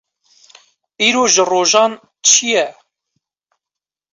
Îro ji rojan çi ye?